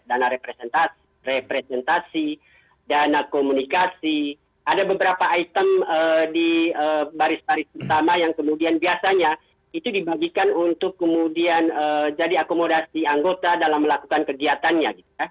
dana representasi dana komunikasi ada beberapa item di baris baris pertama yang kemudian biasanya itu dibagikan untuk kemudian jadi akomodasi anggota dalam melakukan kegiatannya